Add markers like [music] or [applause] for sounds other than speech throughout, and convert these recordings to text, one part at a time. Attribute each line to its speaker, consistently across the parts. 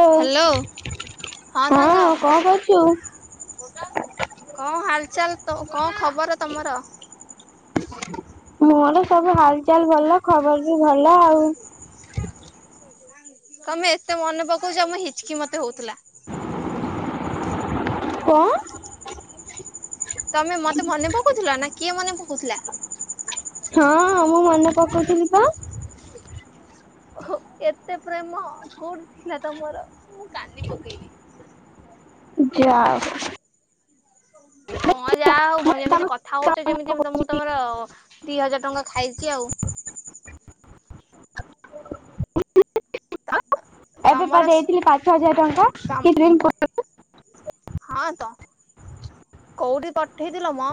Speaker 1: ଓ
Speaker 2: hello
Speaker 1: ହଁ
Speaker 2: କଁ
Speaker 1: କଣ କରୁଛୁ?
Speaker 2: ହାଲଚାଲ କଁ ଖବର ତମର?
Speaker 1: ମୋର ସବୁ ହାଲଚାଲ୍ ଭଲ ଖବର ବି ଭଲ ଆଉ।
Speaker 2: ତମେ ଏତେ ମନେ ପକଉଚ ମ ହିଚକି ମତେ ହଉଥିଲା।
Speaker 1: କଁ?
Speaker 2: ତମେ ମତେ ମନେ ପକଉଥିଲ ନା କିଏ ମନେ ପକଉଥିଲା?
Speaker 1: ହଁ ମୁଁ ମନେ ପକଉଥିଲି ପା।
Speaker 2: ଓହୋ ଏତେ ପ୍ରେମ କୋଉଠି ଥିଲା ତମର ମୁଁ କାନ୍ଦି ପକେଇବି।
Speaker 1: ଯା ହଉ।
Speaker 2: କଣ ଯାହା ହଉ ମ ଯେମିତି କଥା ହଉଚ ଯେମିତି ମୁଁ ତମ-ତମର ଦି ହଜାର ଟଙ୍କା ଖାଇଚି ଆଉ।
Speaker 1: ଏବେ ପା
Speaker 2: ତମର
Speaker 1: ଦେଇଥିଲି ପାଞ୍ଚ ହଜାର ଟଙ୍କା କିି [inaudible]
Speaker 2: ହଁ ତ। କୋଉଠି ପଠେଇଥିଲ ମ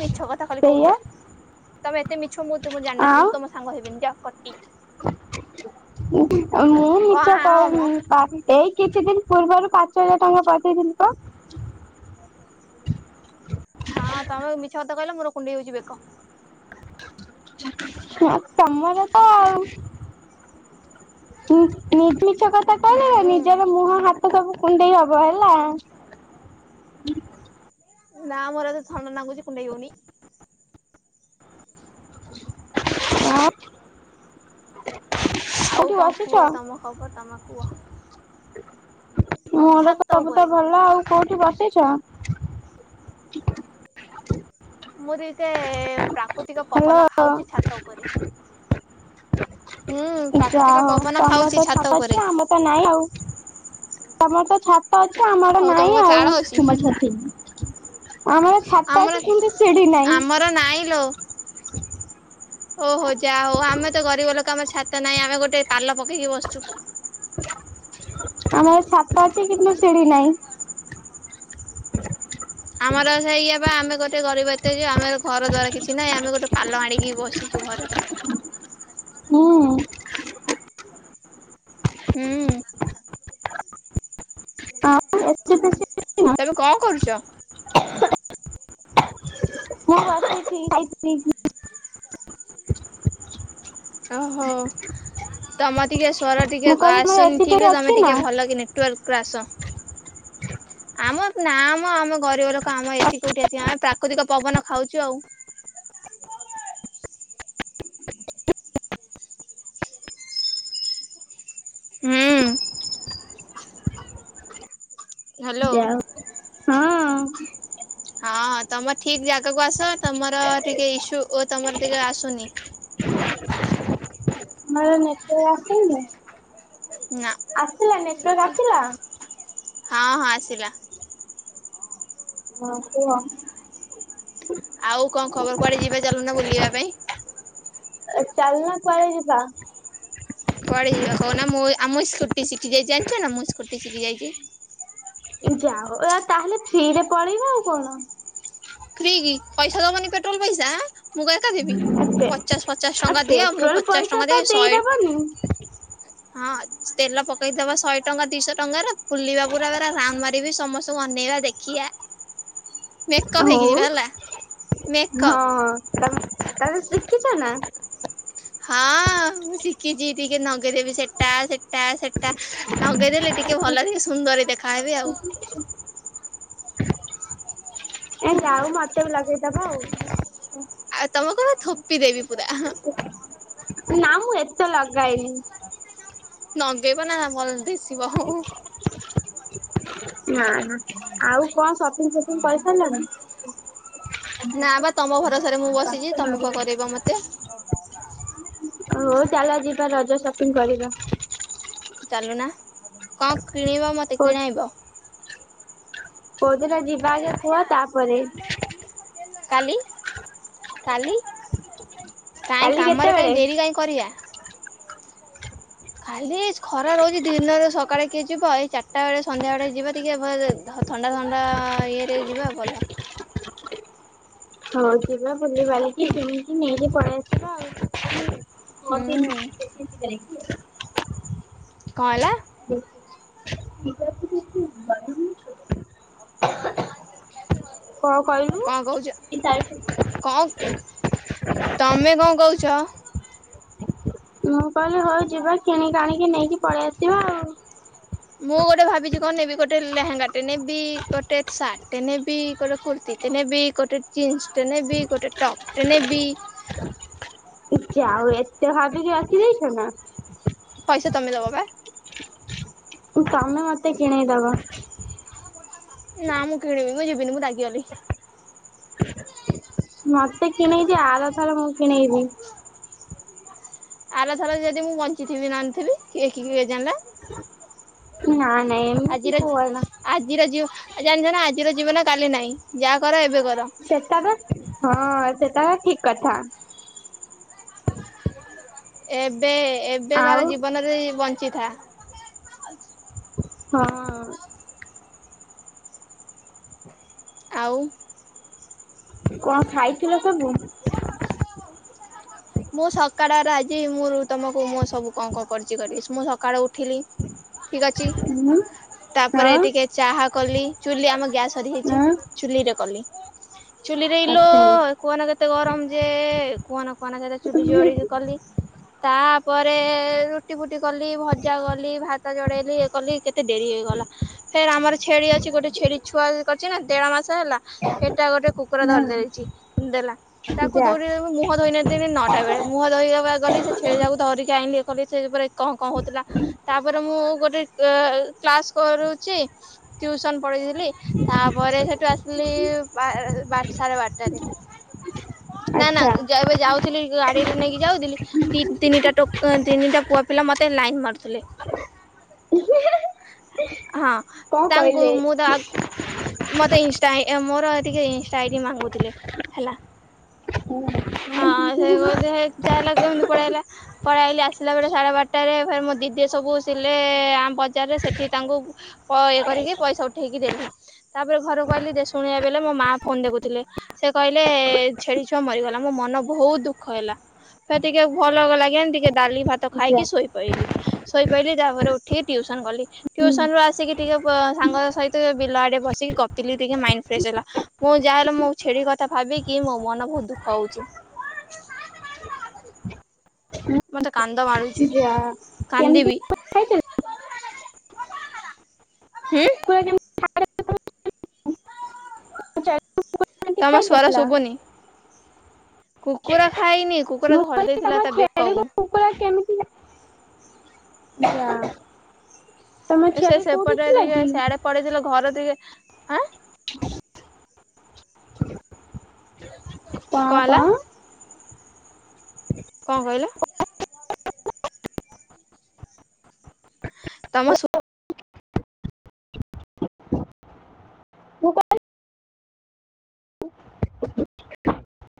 Speaker 2: ମିଛ କଥା ଖାଲି
Speaker 1: ସେଇଆ
Speaker 2: କହୁଚ? ତମେ ଏତେ ମିଛ ମୁଁ ତୁମକୁ ଜାଣିିନଥିଲ ମୁଁ
Speaker 1: ଆଉ
Speaker 2: ତମ ସାଙ୍ଗ ହେବିନି ଯା କଟି।
Speaker 1: ମୁଁ
Speaker 2: କଣ
Speaker 1: ମିଛ
Speaker 2: ହଁ ମ
Speaker 1: କହୁନି [inaudible] କିଛି ଦି୍ନ ପୂର୍ବରୁ ପାଞ୍ଚ ହଜାର ଟଙ୍କା ପଠେଇ ଥିଲି ପା।
Speaker 2: ହଁ ତମେ ଏବେ ମିଛ କଥା କହିଲ ମୋର କୁଣ୍ଡେଇ ହଉଚି ବେକ।
Speaker 1: ହଁ ତମର ତ ଆଉ
Speaker 2: [inaudible]
Speaker 1: [inaudible] ମିଛ କଥା
Speaker 2: ହୁଁ
Speaker 1: କହିଲେ ନା ନିଜର ମୁହଁ ହାତ ସବୁ କୁଣ୍ଡେଇ ହବ ହେଲା।
Speaker 2: ନା ମୋର ଏ ତ ଥଣ୍ଡା ନାଗୁଚି କୁଣ୍ଡେଇ ହଉନି।
Speaker 1: [unintelligible]
Speaker 2: ଆଉ କଣ କୁହ
Speaker 1: ବସିଛ?
Speaker 2: ତମ ଖବର ତମ କୁହ?
Speaker 1: ମୋର
Speaker 2: ଛାତ
Speaker 1: ସବୁ ତ
Speaker 2: ଉପରେ
Speaker 1: ଭଲ ଆଉ। କୋଉଠି ବସିଛ?
Speaker 2: ମୁଁ ଟିକେ ପ୍ରାକୃତିକ
Speaker 1: ହ୍ୟାଲୋ
Speaker 2: ପବନ ଖାଉଚି ଛାତ ଉପରେ। ହୁଁ
Speaker 1: ଯା
Speaker 2: ପ୍ରାକୃତିକ
Speaker 1: ହଉ
Speaker 2: ପବନ
Speaker 1: ତମର ତ
Speaker 2: ଖାଉଚି ଛାତ
Speaker 1: ଅଛି
Speaker 2: ଉପରେ।
Speaker 1: ଆମର ତ ନାଇଁ ଆଉ। ତମର ତ ଛାତ ଅଛି
Speaker 2: ହଉ
Speaker 1: ଆମଡନାଇଁ
Speaker 2: ତମ ଚାଳ
Speaker 1: ଆଉ।
Speaker 2: ଅଛି
Speaker 1: ଆମର ଛାତ
Speaker 2: ଆମର
Speaker 1: ଅଛି କିନ୍ତୁ ସିଢି ନାଇଁ।
Speaker 2: [inaudible] ନାଇଁ ଲୋ। ଓହୋ ଯାହା ହଉ ଆମେ ତ ଗରିବ ଲୋକ ଆମର ଛାତ ନାଇଁ ଆମେ ଗୋଟେ ପାଲ ପକେଇକି ବସିଚୁ।
Speaker 1: ଆମର ଛାତ ଅଛି କିନ୍ତୁ ସିଢି ନାଇଁ।
Speaker 2: ଆମର ସେଇଆ ବା ଆମେ ଗ ଏତେ ଗରିବ ଏତେ ଯେ ଆମର ଘର ଦ୍ଵାରା କିଛି ନାହିଁ ଆମେ ଗୋଟେ ପାଲ ଆଣିକି ବସିଚୁ ଘରେ।
Speaker 1: ହୁଁ।
Speaker 2: ହୁଁ।
Speaker 1: ଏଠି ବେଶି
Speaker 2: ଏବେ କଣ କରୁଚ?
Speaker 1: ମୁଁ ବସିଛି ଖାଇପିଇକି।
Speaker 2: ଓହୋ, ତୋମ ଟିକେ ସ୍ୱର ଟିକେ
Speaker 1: ମୁଁ କହିଲି ତମର
Speaker 2: ଆସୁନି
Speaker 1: ଏସି
Speaker 2: ଠିକ୍
Speaker 1: ଫେସି
Speaker 2: ରେ। ତୋମେ
Speaker 1: ଅଛି ନା?
Speaker 2: ଟିକେ ଭଲ କିନି ଟୁୱେଲ୍ କ୍ଳାସ୍। ଆମ ନା ମୋ ଆମ ଗରିବ ଲୋକ ଆମ ଏସିି କୋଉଠି ଆସିବ? ଆମେ ପ୍ରାକୃତିକ ପବନ ଖାଉଛୁ ଆଉ। ହୁଁ ହ୍ୟାଲୋ
Speaker 1: ଯା [inaudible] ହଁ
Speaker 2: ହଁ ତୋମ ଠିକ୍ ଜାଗାକୁ ଆସ ତୋମର ଟିକେ ଇସ୍ୟୁ ଓ ତୋମର ଟିକେ ଆସୁନି।
Speaker 1: ମୋର ନେଟୱାର୍କ ଆସୁନି?
Speaker 2: ନା।
Speaker 1: ଆସିଲା ନେଟୱାର୍କ ଆସିଲା?
Speaker 2: ହଁ, ହଁ ଆସିଲା।
Speaker 1: ହଁ କୁହ।
Speaker 2: ଆଉ କଣ ଖବର କୁଆଡେ ଯିବା ଚାଲୁନ ବୁଲିବା ପାଇଁ?
Speaker 1: ଏ ଚାଲୁନ କୁଆଡେ ଯିବା?
Speaker 2: କୁଆଡେ ଯିବା କହୁନ? ମୁଁ ଏ ଆମ ଏ ସ୍କୁଟି ଶିଖି ଯାଇଛି ଜାଣିଛ ନା ମୁଁ ସ୍କୁଟି ଶିଖି ଯାଇଚି।
Speaker 1: ଯା ହଉ ଏଆ ତାହେଲେ ଫ୍ରିରେ ପଳେଇବା ଆଉ କଣ।
Speaker 2: ଫ୍ରି କି ପଇସା ଦବନି ପେଟ୍ରୋଲ୍ ପଇସା ଆଁ? ମୁଁ କଣ ଏକା ଦେବି?
Speaker 1: ଏତେ
Speaker 2: ପଚାଶ ପଚାଶ
Speaker 1: ଆଉ
Speaker 2: ଟଙ୍କା ଦିଅ ମୁଁ
Speaker 1: ପେଟ୍ରୋଲ
Speaker 2: ପଚାଶ
Speaker 1: ପଇସା
Speaker 2: ଟଙ୍କା
Speaker 1: ତ
Speaker 2: ଦେବି ଶଏ
Speaker 1: ଦେଇଦବନି
Speaker 2: ହଁ ତେଲ ପକେଇଦବା ଶଏ ଟଙ୍କା ଦିଶ ଟଙ୍କା ରେ ବୁଲିବା ପୁରା ବେରା ରାଉଣ୍ଡ ମାରିବି ସମସ୍ତଙ୍କୁ ଅନେଇବା ଦେଖିବା। ମେକଅପ୍ ହେଇକି
Speaker 1: ହଉ
Speaker 2: ଯିବା ହେଲା ମେକଅପ୍
Speaker 1: ହଁ ତୋମେ ତୋମେ ଶିଖିଛ ନା?
Speaker 2: ହଁ ମୁଁ ଶିଖିଛି ଟିକେ ନଗେଇଦେବି ସେଟା ସେଟା ସେ ତା ନଗେଇଦେଲେ ଟିକେ ଭଲ ଟିକେ ସୁନ୍ଦରୀ ଦେଖାହେବି ଆଉ।
Speaker 1: ଏ ଯା ହଉ ମୋତେ ବି ଲଗେଇଦବ ଆଉ।
Speaker 2: ଆଉ ତୋମ କଣ ଥୋପି ଦେବି ପୁରା।
Speaker 1: ନା ମୁଁ ଏତେ ଲଗାଏନି।
Speaker 2: ନଗେଇବ ନା ଭଲ ଦିଶ
Speaker 1: ନା ନା ଆଉ କଣ ସପିଙ୍ଗ ଫପ ଫିଙ୍ଗ କରିସାରଲଣି?
Speaker 2: ନା ବା ତମ ଭରସାରେ ମୁଁ ବସିଛି ତମେ ବା କରେଇବ ମତେ
Speaker 1: [unintelligible] ହଉ ଚାଲ ଯିବା ରଜ ସପିଙ୍ଗ କରିବା।
Speaker 2: ଚାଲୁନା କଣ କିଣିବ ମୋତେ
Speaker 1: କୋଉ
Speaker 2: କିଣାଇବ?
Speaker 1: କୋଉଦିନ ଯିବା ଆଗେ କୁହ ତାପରେ?
Speaker 2: କାଲି କାଲି କାଇଁ
Speaker 1: କାଲି
Speaker 2: କାମରେ କାଇଁ
Speaker 1: କେତେବେଳେ
Speaker 2: ଡେରି କାଇଁ କ କରିଆ। ଖାଲି ଖରା ରହୁଚି ଦିନରେ ସକାଳେ କିଏ ଯିବ। ଏଇ ଚାଟା ବେଳେ ସନ୍ଧ୍ୟା ବେଳେ ଯିବା ଟିକେ ଭଲସେ ଧ ଥଣ୍ଡା ଥଣ୍ଡା ଇଏରେ ଯିବା ଭଲ।
Speaker 1: ହଁ ଯିବା ଭୁଲି ବାଲିକି କିଣିକି ନେଇକି ପଳେଇ ଆସିବା ଆଉ।
Speaker 2: ହୁଁ
Speaker 1: [unintelligible]
Speaker 2: କଁ ହେଲା?
Speaker 1: [unintelligible] କଣ କହିଲୁ
Speaker 2: କଣ କହୁଚ? କଁ ତମେ କଣ କୋହୁଚ।
Speaker 1: ମୁଁ କହିଲି ହଉ ଯିବ କିଣି ଆଣିକି ନେଇକି ପଳେଇ ଆସିବ ଆଉ।
Speaker 2: ମୁଁ ଗୋଟେ ଭାବିଛି କଣ ନେବି ଗୋଟେ ଲେହେଙ୍ଗାଟେ ନେବି ଗୋଟେ ସାର୍ଟଟେ ନେବି ଗୋଟେ କୁର୍ତ୍ତିଟେ ନେବି ଗୋଟେ ଜିନ୍ସ ଟେ ନେବି ଗୋଟେ ଟପ୍ ଟେ ନେବି।
Speaker 1: [inaudible] ଆ ଆଉ ଏତେ ଭାବିକି ରଖି ଦେଇେଚ ନା।
Speaker 2: ପଇସା ତମେ ଦବ ବା।
Speaker 1: ତମେ ମତେ କିଣେଇଦବ।
Speaker 2: ନା ମୁଁ କିଣିବି ମୁଁ ଯିବିନି ମୁଁ ରାଗିଗଲି।
Speaker 1: ମତେ କିଣେଇଦିଅ ଆର ଥର ମୁଁ କିଣେଇବି।
Speaker 2: ଆରଥର ଯଦି ମୁଁ ବଞ୍ଚିଥିବି ନନ୍ ଥିବି କି କିଏ ଜାଣିଲା।
Speaker 1: ନା। ନା ଏମିତି
Speaker 2: ଆଜିର
Speaker 1: କୁହନା
Speaker 2: ଆଜିର ଜିବଜାଣିଚ ନା ଆଜିର ଜୀବନ କାଲି ନାହିଁ ଯାହା କର ଏବେ କର।
Speaker 1: ସେତାବା ହଁ ସେତାପା ଠିକ୍ କଥା।
Speaker 2: ଏବେ ଏବେ କାର
Speaker 1: ଆଉ
Speaker 2: ଜୀବନରେ ବଞ୍ଚିଥା।
Speaker 1: ହଁ।
Speaker 2: ଆଉ।
Speaker 1: କଣ ଖାଇଥିଲ ସବୁ।
Speaker 2: [unintelligible] ମୁଁ ସକାଡର ଆଜି ମୁଁ ତମକୁ ମୁଁ ମୋ ସବୁ କଣ କଣ କରିଚି କହିଦେଇଚି ମୁଁ ସକାଳୁ ଉଠିଲି। ଠିକ୍ ଅଛି
Speaker 1: ହୁଁ
Speaker 2: ତାପରେ
Speaker 1: ହଁ
Speaker 2: ଟିକେ ଚାହା କଲି ଚୁଲି ଆମ ଗ୍ୟାସ ସରି ହେଇଚି
Speaker 1: ହଁ
Speaker 2: ଚୁଲି ରେ କଲି। ଚୁଲିରେ ଇଲୋ
Speaker 1: ଆଚ୍ଛା।
Speaker 2: କୁହନା କେତେ ଗରମ ଯେ କୁହନା କୁହନା ସେ ଚୁଲି ଜଳି
Speaker 1: ହଁ
Speaker 2: କଲି। ତାପରେ ରୁଟି ଫୁଟି କଲି ଭଜା କଲି ଭାତ ଚଢେଇଲି ଇଏ କଲି କେ ତେ ଡେରି ହେଇଗଲା ଫେରେ ଆମର ଛେଳି ଅଛି ଗୋଟେ ଛେଳି ଛୁଆ କରିଛି ନା ଦେଢ ମାସ ହେଲା ସେଟା ଗୋଟେ କୁ କୁକୁର ଧରିଦେଇଚି ଦେଲା ତାକୁ
Speaker 1: ଯା
Speaker 2: [unintelligible] ମୁଁହ ଧୋଇ ନ ଥିନି ନଅଟା ବେଳେ। ମୁହଁ ଧୋଇହବାକୁ ଗଲି ସେ ଛେଳି ଟାକୁ ଧରିକି ଆଇନି ଇଏ କଲି ସେ ଉପରେ କଁ କଁ ହୋଉଥିଲା। ତାପରେ ମୁଁ ଗୋଟେ ଏ କ୍ଲାସ କରୁଚି ଟ୍ୟୁସନ ପଳେଇଥିଲି ତାପରେ ସେଠୁ ଆସିଲି ବା ବର ସାଢେ ବାରଟାରେ ନା ନା
Speaker 1: ଆଚ୍ଛା।
Speaker 2: ଏବେ ଯାଉଥିଲି ଗାଡିରେ ନେଇକି ଯାଉଥିଲି ଦି ତିନିଟା ଟୋ କା ତିନିଟା ପୁଅପିଲା ମତେ ଲାଇନ୍ ମାରୁଥିଲେ। ହଁ
Speaker 1: କଣ
Speaker 2: ତାଙ୍କୁ
Speaker 1: କହିଲେ
Speaker 2: ମୁଁ ତ ଆ ମୋତେ ଇନଷ୍ଟା ମୋର ଟିକେ ଇନଷ୍ଟା ଆଇଡି ମାଗୁଥିଲେ ହେଲା।
Speaker 1: ହୁଁ।
Speaker 2: ଅଁ ସେ କୋଉଚି ହେ ଚାହିଲା ହେକୁ ମିତି ପଳାଇ ଲା। ପଳେଆଇଲି ଆସିଲା ବେଳେ ସାଢ଼େ ବାରଟାରେ ଫେରେ ମୋ ଦିଦିଏ ସବୁ ସିଲେ ଆମ ବଜାରରେ ସେଠି ତାଙ୍କୁ ପ ଇଏ କରିକି ପଇସା ଉଠେଇକି ଦେଲି ତାପରେ ଘରକୁ ଆଇଲି ଶୁଣିବାକୁ ପାଇିଲି ମୋ ମା ଫୋନ ଦେଖୁଥିଲେ ସେ କହିଲେ ଛେଳି ଛୁଆ ମରିଗଲା ମୋ ମନ ଭୋଉତ ଦୁଃଖ ହେଲା। ଫେରଟିକେ ଭଲ ଲାଗେନି ଟିକେ ଡାଲି ଭାତ ତ
Speaker 1: ଯା
Speaker 2: ଖାଇକି ଶୋଇ ପଇଲି ଶୋଇ ପିଇଲିି ତାପରେ ଉଠିକି ଟ୍ୟୁସନ ଗଲି। ଟ୍ୟୁସନ ରୁ ଆସିକି ଟିକେ ସାଙ୍ଗ ସହିତ ବିଲ ଆଡେ ବସିକି ଗପିଲି ଟିକେ ମାଇଣ୍ଡ ଫ୍ରେଶ ହେଲା। ମୁଁ ଯାହାହେଲେ ମୋ ଛେଳି କଥା ଭାବିକି ମୋ ମନ ବୋହୁତ ଦୁଃଖ ହଉଚି। ମୋତେ କାନ୍ଦ ମାଡୁଚି
Speaker 1: ଯା କେମିତି
Speaker 2: କାନ୍ଦିବି।
Speaker 1: ଖାଇଥିଲ?
Speaker 2: ହୁଁ।
Speaker 1: କୁକୁଡ଼ା କେମିତି ଏମିତି
Speaker 2: ତମର ଶ୍ବର
Speaker 1: ଖାଇଦେଲା
Speaker 2: ଶୁଭୁନି। କୁକୁର ଖାଇନି କୁକୁର ଧରି ଦେଇଥିଲା ତା ବେକକୁ।
Speaker 1: ପୁରା ସେମିତିକା ଯା ତମ
Speaker 2: ସେ
Speaker 1: ଛେଳି କୋଉଠି
Speaker 2: ସେପଟେ
Speaker 1: ଥିଲା
Speaker 2: ଟିକେ
Speaker 1: କି
Speaker 2: ସିଆଡେ ପଳେଇଥିଲେ ଘର ଟିକେ ହେଁ
Speaker 1: କଣ କଣ?
Speaker 2: କଣ କହିଲ? ତମ ସୁ
Speaker 1: [inaudible] ମୋବାଇଲ [inaudible]